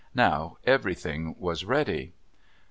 Now everything was ready.